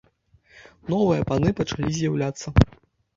Новыя паны пачалі з'яўляцца.